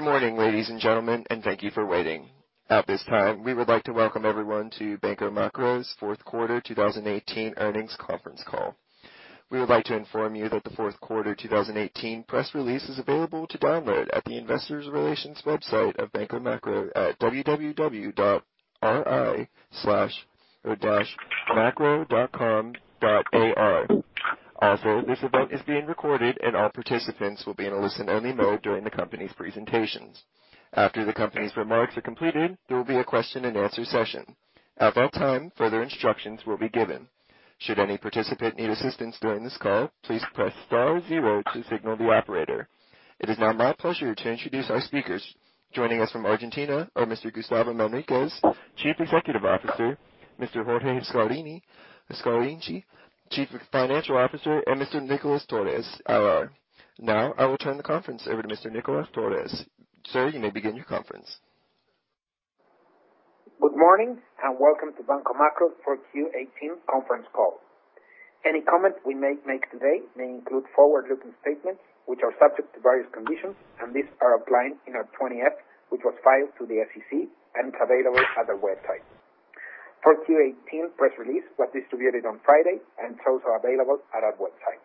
Good morning, ladies and gentlemen. Thank you for waiting. At this time, we would like to welcome everyone to Banco Macro's fourth quarter 2018 earnings conference call. We would like to inform you that the fourth quarter 2018 press release is available to download at the investor relations website of Banco Macro at www.ri.macro.com.ar. This event is being recorded, and all participants will be in a listen-only mode during the company's presentations. After the company's remarks are completed, there will be a question-and-answer session. At that time, further instructions will be given. Should any participant need assistance during this call, please press star zero to signal the operator. It is now my pleasure to introduce our speakers. Joining us from Argentina are Mr. Gustavo Manriquez, Chief Executive Officer, Mr. Jorge Scarinci, Chief Financial Officer, and Mr. Nicolas Torres, IR. I will turn the conference over to Mr. Nicolas Torres. Sir, you may begin your conference. Good morning. Welcome to Banco Macro for Q18 conference call. Any comment we may make today may include forward-looking statements which are subject to various conditions, and these are outlined in our 20-F, which was filed to the SEC and available at our website. Q18 press release was distributed on Friday and is also available at our website.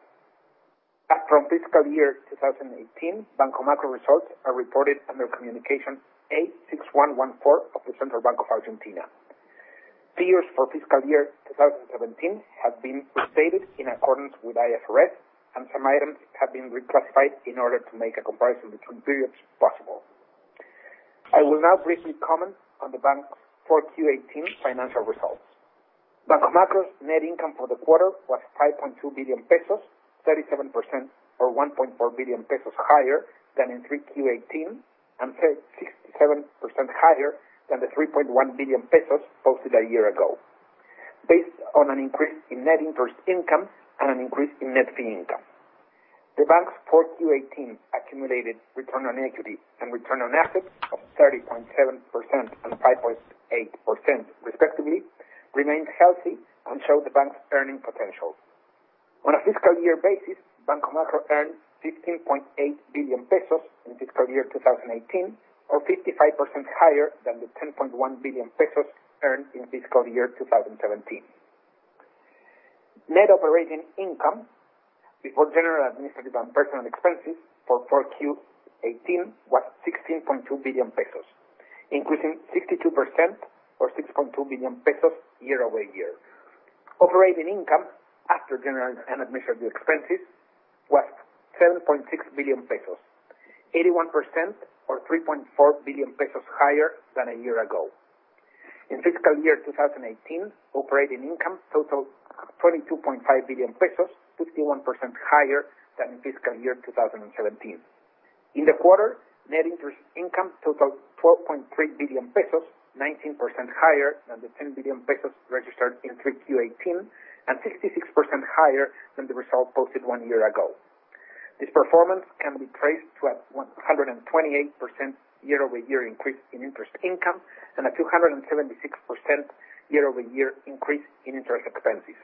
From fiscal year 2018, Banco Macro results are reported under Communication A 6114 of the Central Bank of Argentina. Figures for fiscal year 2017 have been restated in accordance with IFRS, and some items have been reclassified in order to make a comparison between periods possible. I will now briefly comment on the bank's four Q18 financial results. Banco Macro's net income for the quarter was 5.2 billion pesos, 37%, or 1.4 billion pesos higher than in 3Q18, and 67% higher than the 3.1 billion pesos posted a year ago, based on an increase in net interest income and an increase in net fee income. The bank's four Q18 accumulated return on equity and return on assets of 30.7% and 5.8%, respectively, remains healthy and show the bank's earning potential. On a fiscal year basis, Banco Macro earned 15.8 billion pesos in fiscal year 2018, or 55% higher than the 10.1 billion pesos earned in fiscal year 2017. Net operating income before general, administrative, and personal expenses for 4Q18 was 16.2 billion pesos, increasing 62% or 6.2 billion pesos year-over-year. Operating income after general and administrative expenses was 7.6 billion pesos, 81% or 3.4 billion pesos higher than a year ago. In fiscal year 2018, operating income totaled 22.5 billion pesos, 51% higher than in fiscal year 2017. In the quarter, net interest income totaled 12.3 billion pesos, 19% higher than the 10 billion pesos registered in 3Q18, and 66% higher than the result posted one year ago. This performance can be traced to a 128% year-over-year increase in interest income and a 276% year-over-year increase in interest expenses.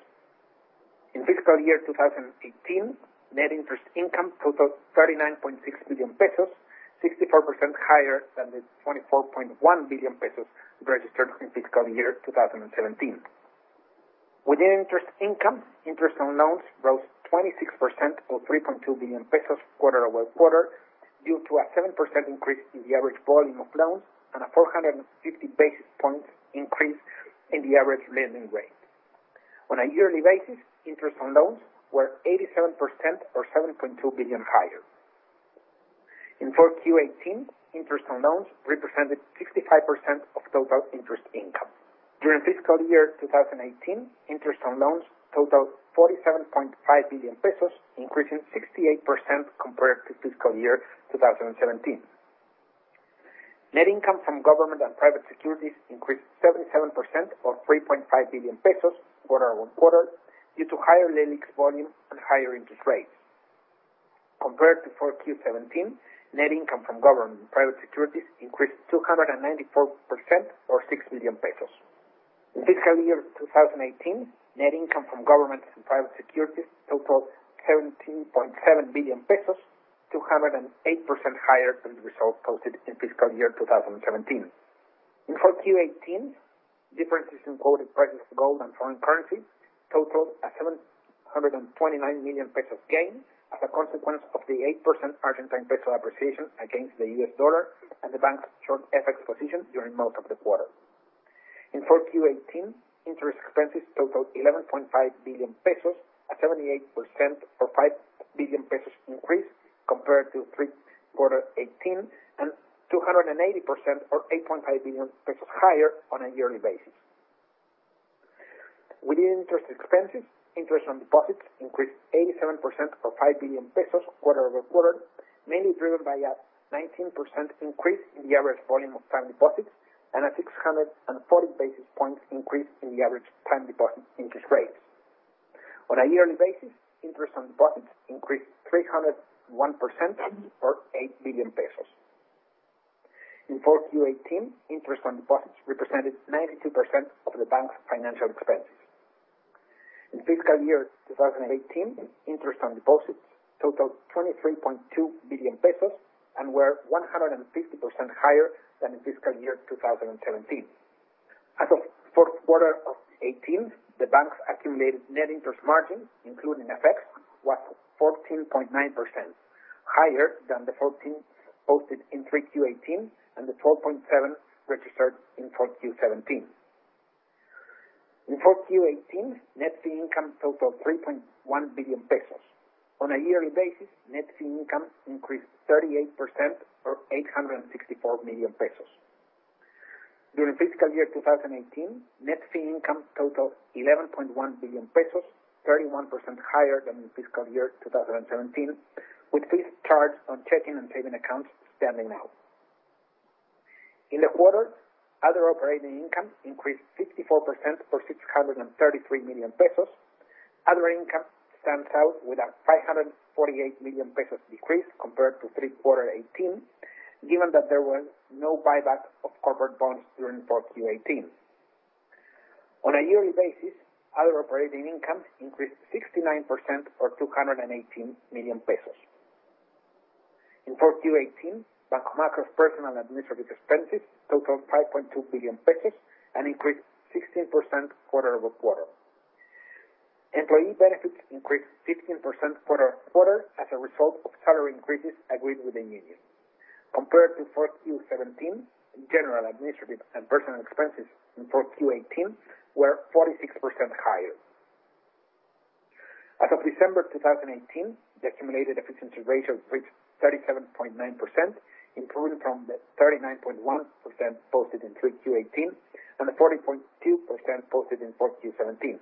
In fiscal year 2018, net interest income totaled 39.6 billion pesos, 64% higher than the 24.1 billion pesos registered in fiscal year 2017. Within interest income, interest on loans rose 26%, or 3.2 billion pesos quarter-over-quarter, due to a 7% increase in the average volume of loans and a 450 basis points increase in the average lending rate. On a yearly basis, interest on loans were 87%, or 7.2 billion higher. In 4Q18, interest on loans represented 65% of total interest income. During fiscal year 2018, interest on loans totaled 47.5 billion pesos, increasing 68% compared to fiscal year 2017. Net income from government and private securities increased 77%, or 3.5 billion pesos quarter-over-quarter, due to higher lending volume and higher interest rates. Compared to 4Q17, net income from government and private securities increased 294%, or 6 billion pesos. In fiscal year 2018, net income from government and private securities totaled 17.7 billion pesos, 208% higher than the results posted in fiscal year 2017. In 4Q18, differences in quoted prices of gold and foreign currency totaled an 729 million pesos gain as a consequence of the 8% Argentine peso appreciation against the USD and the bank's short FX position during most of the quarter. In 4Q18, interest expenses totaled 11.5 billion pesos, a 78%, or 5 billion pesos increase compared to 3Q18 and 280%, or 8.5 billion pesos higher on a yearly basis. Within interest expenses, interest on deposits increased 87%, or 5 billion pesos quarter-over-quarter, mainly driven by a 19% increase in the average volume of time deposits and a 640 basis points increase in the average time deposit interest rates. On a yearly basis, interest on deposits increased 301%, or 8 billion pesos. In 4Q18, interest on deposits represented 92% of the bank's financial expenses. In fiscal year 2018, interest on deposits totaled 23.2 billion pesos and were 150% higher than in fiscal year 2017. As of fourth quarter of 2018, the bank's accumulated net interest margin, including FX, was 14.9%, higher than the 14% posted in 3Q 2018, and the 14.7% registered in 4Q 2017. In 4Q 2018, net fee income totaled 3.1 billion pesos. On a yearly basis, net fee income increased 38%, or 864 million pesos. During fiscal year 2018, net fee income totaled 11.1 billion pesos, 31% higher than in fiscal year 2017, with fees charged on checking and saving accounts standing out. In the quarter, other operating income increased 54%, or 633 million pesos. Other income stands out with an 548 million pesos decrease compared to third quarter 2018, given that there was no buyback of corporate bonds during 4Q 2018. On a yearly basis, other operating income increased 69%, or 218 million pesos. In 4Q 2018, Banco Macro's personal administrative expenses totaled ARS 5.2 billion and increased 16% quarter-over-quarter. Employee benefits increased 15% quarter-over-quarter as a result of salary increases agreed with the union. Compared to 4Q 2017, general administrative and personal expenses in 4Q 2018 were 46% higher. As of December 2018, the accumulated efficiency ratio reached 37.9%, improving from the 39.1% posted in 3Q 2018, and the 40.2% posted in 4Q 2017.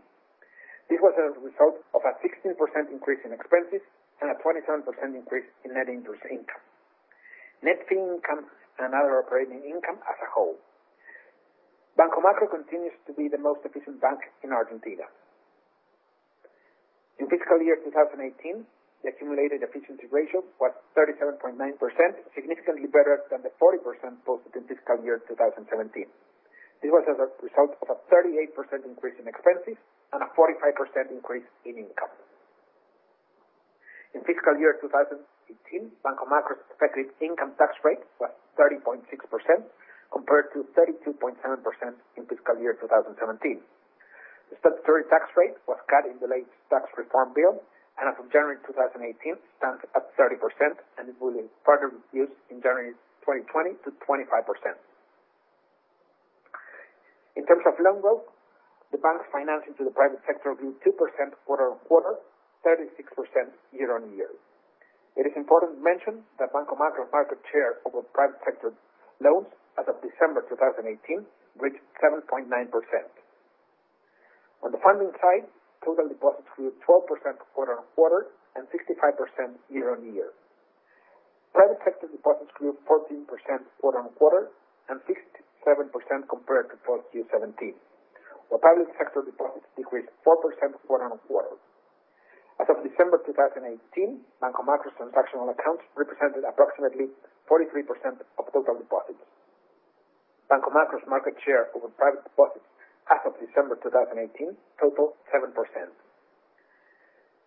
This was as a result of a 16% increase in expenses and a 27% increase in net interest income, net fee income, and other operating income as a whole. Banco Macro continues to be the most efficient bank in Argentina. In fiscal year 2018, the accumulated efficiency ratio was 37.9%, significantly better than the 40% posted in fiscal year 2017. This was as a result of a 38% increase in expenses and a 45% increase in income. In fiscal year 2018, Banco Macro's effective income tax rate was 30.6%, compared to 32.7% in fiscal year 2017. The statutory tax rate was cut in the late tax reform bill. As of January 2018, stands at 30%. It will further reduce in January 2020 to 25%. In terms of loan growth, the bank's financing to the private sector grew 2% quarter-on-quarter, 36% year-on-year. It is important to mention that Banco Macro's market share over private sector loans as of December 2018 reached 7.9%. On the funding side, total deposits grew 12% quarter-on-quarter and 65% year-on-year. Private sector deposits grew 14% quarter-on-quarter and 67% compared to 4Q 2017, while public sector deposits decreased 4% quarter-on-quarter. As of December 2018, Banco Macro's transactional accounts represented approximately 43% of total deposits. Banco Macro's market share over private deposits as of December 2018 totaled 7%.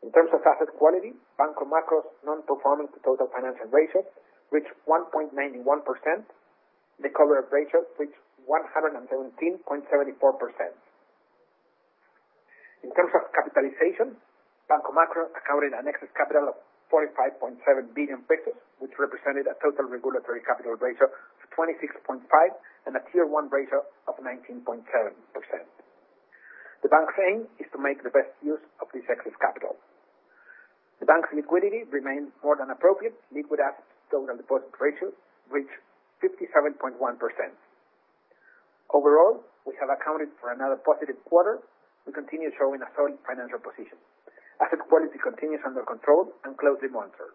In terms of asset quality, Banco Macro's non-performing to total financial ratio reached 1.91%. The coverage ratio reached 117.74%. In terms of capitalization, Banco Macro accounted an excess capital of 45.7 billion pesos, which represented a total regulatory capital ratio of 26.5% and a Tier 1 ratio of 19.7%. The bank's aim is to make the best use of this excess capital. The bank's liquidity remains more than appropriate. Liquid assets total deposit ratio reached 57.1%. Overall, we have accounted for another positive quarter. We continue showing a solid financial position. Asset quality continues under control and closely monitored.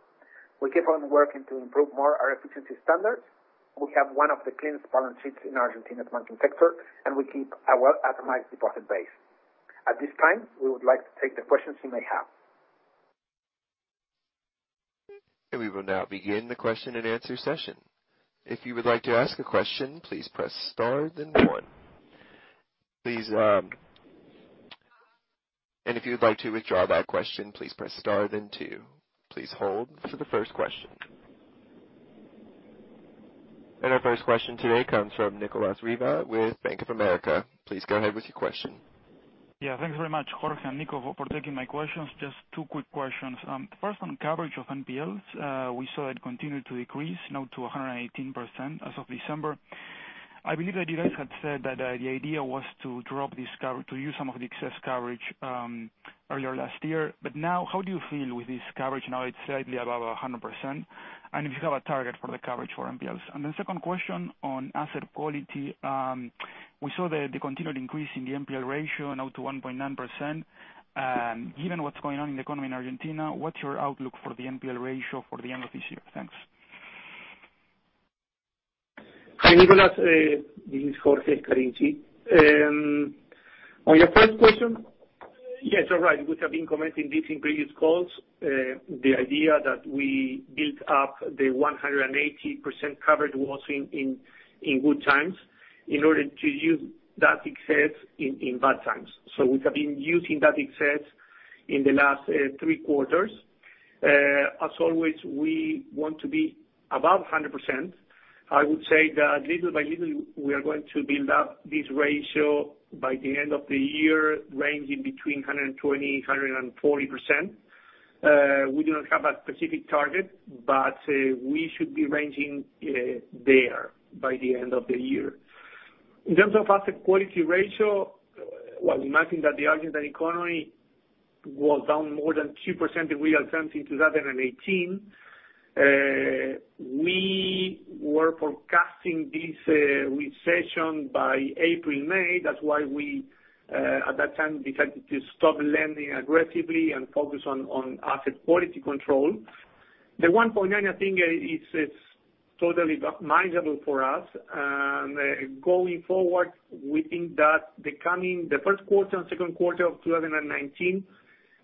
We keep on working to improve more our efficiency standards. We have one of the cleanest balance sheets in Argentina's banking sector, and we keep a well-itemized deposit base. At this time, we would like to take the questions you may have. We will now begin the question and answer session. If you would like to ask a question, please press star then one. If you would like to withdraw that question, please press star then two. Please hold for the first question. Our first question today comes from Nicolas Riva with Bank of America. Please go ahead with your question. Thanks very much, Jorge and Nico, for taking my questions. Just two quick questions. First, on coverage of NPLs, we saw it continue to decrease now to 118% as of December. I believe that you guys had said that the idea was to use some of the excess coverage earlier last year, now, how do you feel with this coverage now it's slightly above 100%? If you have a target for the coverage for NPLs. The second question on asset quality, we saw the continued increase in the NPL ratio now to 1.9%. Given what's going on in the economy in Argentina, what's your outlook for the NPL ratio for the end of this year? Thanks. Hi, Nicolas. This is Jorge Scarinci. On your first question, yes, you're right. We have been commenting this in previous calls. The idea that we built up the 180% coverage was in good times. In order to use that excess in bad times. We have been using that excess in the last three quarters. As always, we want to be above 100%. I would say that little by little, we are going to build up this ratio by the end of the year, ranging between 120%-140%. We do not have a specific target, we should be ranging there by the end of the year. In terms of asset quality ratio, well, imagine that the Argentine economy was down more than 2% in real terms in 2018. We were forecasting this recession by April, May. That's why we, at that time, decided to stop lending aggressively and focus on asset quality control. The 1.9%, I think, is totally manageable for us. Going forward, we think that the first quarter and second quarter of 2019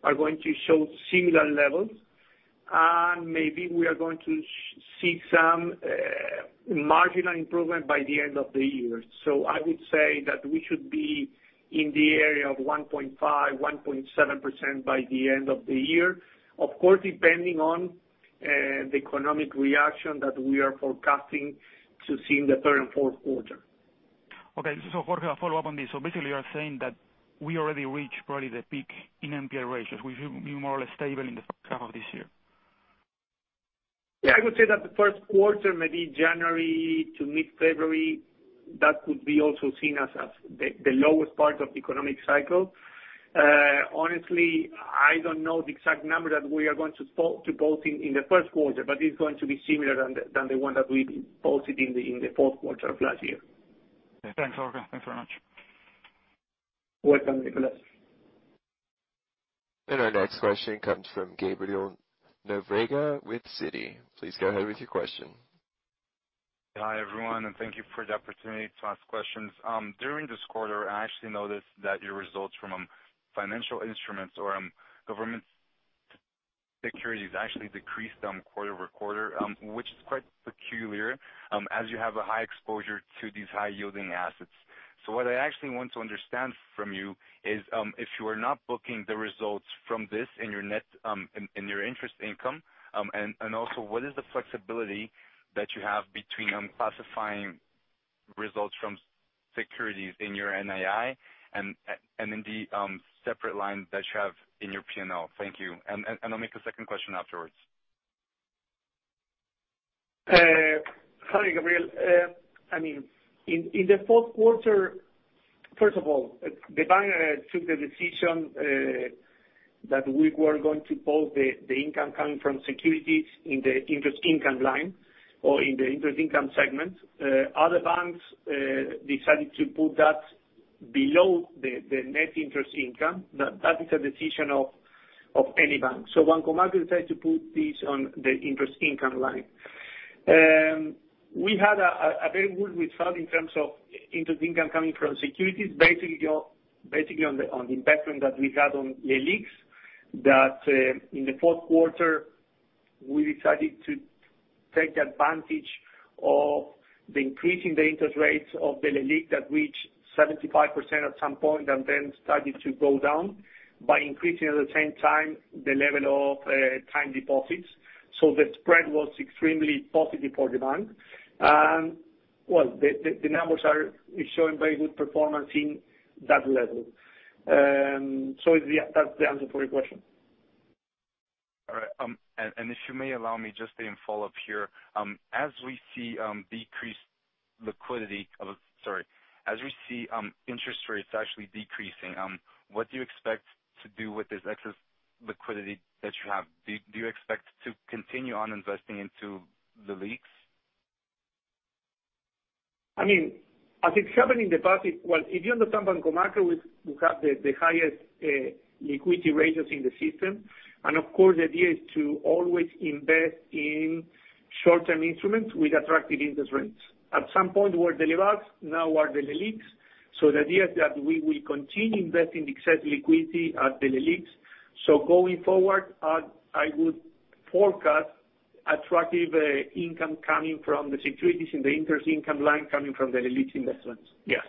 are going to show similar levels. Maybe we are going to see some marginal improvement by the end of the year. I would say that we should be in the area of 1.5%-1.7% by the end of the year. Of course, depending on the economic reaction that we are forecasting to see in the third and fourth quarter. Okay. Jorge, a follow-up on this. Basically, you are saying that we already reached probably the peak in NPL ratios. We should be more or less stable in the second half of this year. Yeah, I would say that the first quarter, maybe January to mid-February, that could be also seen as the lowest part of the economic cycle. Honestly, I don't know the exact number that we are going to post in the first quarter, but it's going to be similar than the one that we posted in the fourth quarter of last year. Okay. Thanks, Jorge. Thanks very much. Welcome, Nicolas. Our next question comes from Gabriel Nobrega with Citi. Please go ahead with your question. Hi, everyone, and thank you for the opportunity to ask questions. During this quarter, I actually noticed that your results from financial instruments or government securities actually decreased quarter-over-quarter, which is quite peculiar, as you have a high exposure to these high-yielding assets. What I actually want to understand from you is, if you are not booking the results from this in your interest income, and also what is the flexibility that you have between classifying results from securities in your NII and in the separate line that you have in your P&L? Thank you. I'll make a second question afterwards. Hi, Gabriel. First of all, the bank took the decision that we were going to post the income coming from securities in the interest income line or in the interest income segment. Other banks decided to put that below the net interest income. That is a decision of any bank. Banco Macro decided to put this on the interest income line. We had a very good result in terms of interest income coming from securities, basically on the investment that we had on Leliqs, that in the fourth quarter, we decided to take advantage of the increase in the interest rates of the Leliq that reached 75% at some point, and then started to go down, by increasing at the same time the level of time deposits. The spread was extremely positive for the bank. Well, the numbers are showing very good performance in that level. That's the answer for your question. All right. If you may allow me just a follow-up here. As we see interest rates actually decreasing, what do you expect to do with this excess liquidity that you have? Do you expect to continue on investing into the Leliqs? As it's happened in the past, well, if you understand Banco Macro, we have the highest liquidity ratios in the system. Of course, the idea is to always invest in short-term instruments with attractive interest rates. At some point, were the Lebacs, now are the Leliqs. The idea is that we will continue investing the excess liquidity at the Leliqs. Going forward, I would forecast attractive income coming from the securities in the interest income line coming from the Leliq investments. Yes.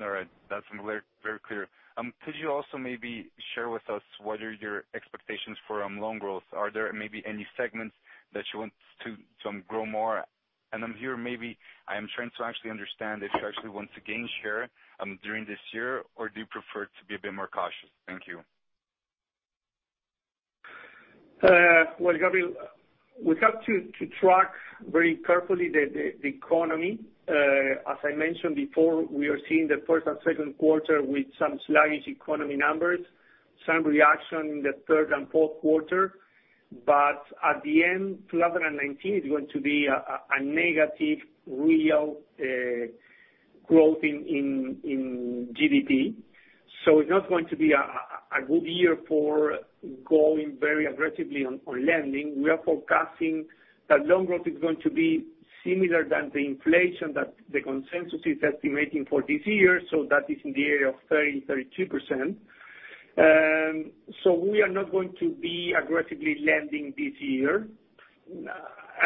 All right. That's very clear. Could you also maybe share with us what are your expectations for loan growth? Are there maybe any segments that you want to grow more? Here, maybe I am trying to actually understand if you actually want to gain share during this year or do you prefer to be a bit more cautious? Thank you. Well, Gabriel, we have to track very carefully the economy. As I mentioned before, we are seeing the first and second quarter with some sluggish economy numbers, some reaction in the third and fourth quarter. At the end, 2019 is going to be a negative real growth in GDP. It's not going to be a good year for going very aggressively on lending. We are forecasting that loan growth is going to be similar than the inflation that the consensus is estimating for this year. That is in the area of 30%-32%. We are not going to be aggressively lending this year.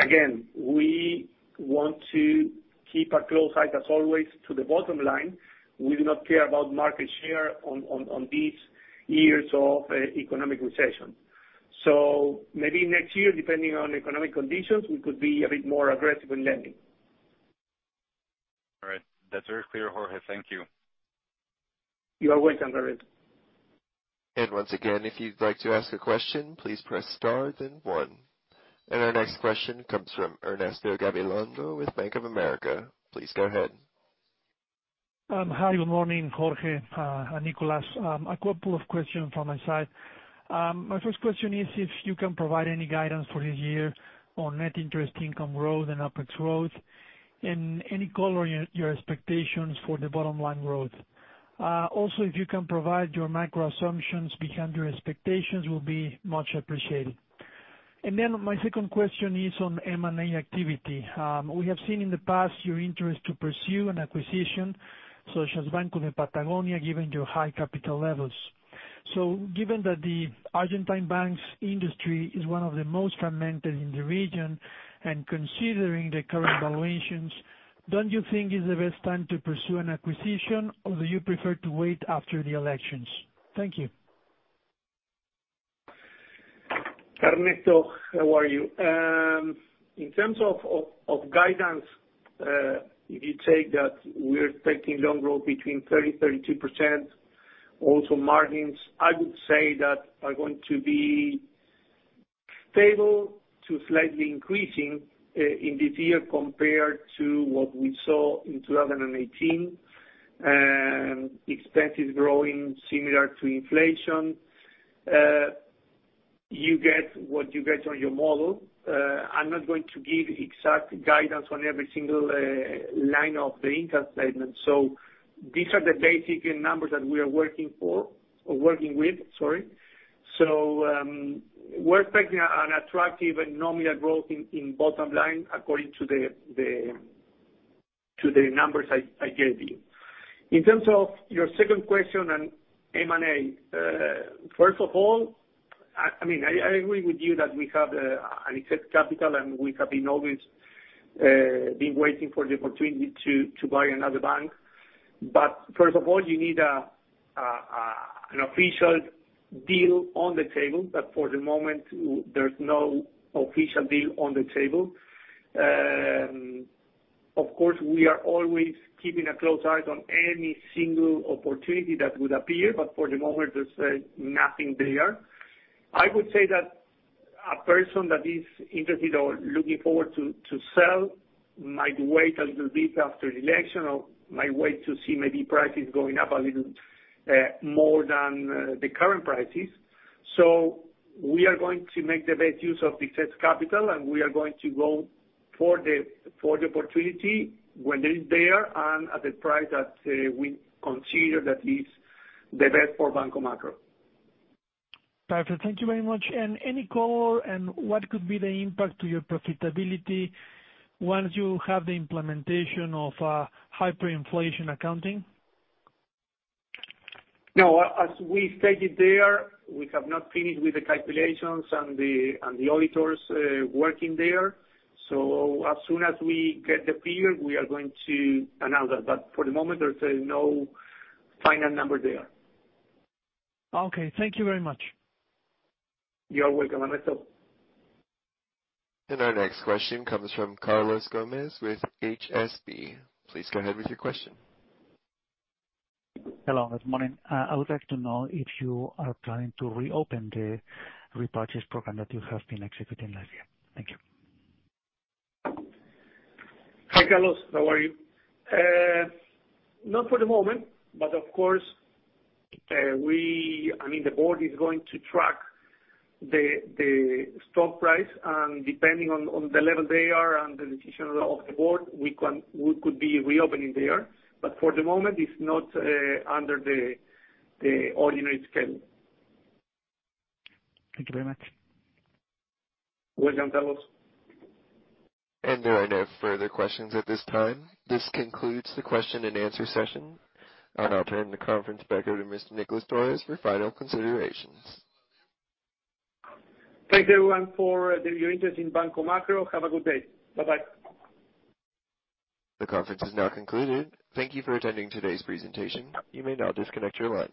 Again, we want to keep a close eye, as always, to the bottom line. We do not care about market share on these years of economic recession. Maybe next year, depending on economic conditions, we could be a bit more aggressive in lending. All right. That's very clear, Jorge. Thank you. You are welcome, Gabriel. Once again, if you'd like to ask a question, please press star then one. Our next question comes from Ernesto Gabilondo with Bank of America. Please go ahead. Hi, good morning, Jorge and Nicolas. A couple of questions from my side. My first question is if you can provide any guidance for this year on net interest income growth and OPEX growth, and any color on your expectations for the bottom line growth. Also, if you can provide your macro assumptions behind your expectations will be much appreciated. Then my second question is on M&A activity. We have seen in the past your interest to pursue an acquisition, such as Banco Patagonia, given your high capital levels. Given that the Argentine banks industry is one of the most fragmented in the region, and considering the current valuations, don't you think it's the best time to pursue an acquisition, or do you prefer to wait after the elections? Thank you. Ernesto, how are you? In terms of guidance, if you take that we're expecting loan growth between 30%-32%, also margins, I would say that are going to be stable to slightly increasing in this year compared to what we saw in 2018. Expense is growing similar to inflation. You get what you get on your model. I'm not going to give exact guidance on every single line of the income statement. These are the basic numbers that we are working for, or working with, sorry. We're expecting an attractive and nominal growth in bottom line, according to the numbers I gave you. In terms of your second question on M&A. First of all, I agree with you that we have excess capital, and we have always been waiting for the opportunity to buy another bank. First of all, you need an official deal on the table. For the moment, there's no official deal on the table. Of course, we are always keeping a close eye on any single opportunity that would appear, but for the moment, there's nothing there. I would say that a person that is interested or looking forward to sell might wait a little bit after the election, or might wait to see maybe prices going up a little more than the current prices. We are going to make the best use of excess capital, and we are going to go for the opportunity when it is there and at the price that we consider that is the best for Banco Macro. Perfect. Thank you very much. Any call and what could be the impact to your profitability once you have the implementation of hyperinflation accounting? No. As we stated there, we have not finished with the calculations and the auditors working there. As soon as we get the period, we are going to announce that. For the moment, there's no final number there. Okay. Thank you very much. You're welcome, Ernesto. Our next question comes from Carlos Gomez-Lopez with HSBC. Please go ahead with your question. Hello, good morning. I would like to know if you are planning to reopen the repurchase program that you have been executing last year. Thank you. Hi, Carlos. How are you? Not for the moment, but of course, the board is going to track the stock price, and depending on the level they are and the decision of the board, we could be reopening there. For the moment, it's not under the ordinary schedule. Thank you very much. You're welcome, Carlos. There are no further questions at this time. This concludes the question and answer session. I'll turn the conference back over to Mr. Nicolas Torres for final considerations. Thanks, everyone, for your interest in Banco Macro. Have a good day. Bye-bye. The conference is now concluded. Thank you for attending today's presentation. You may now disconnect your line.